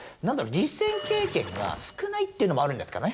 実戦けいけんが少ないっていうのもあるんですかね？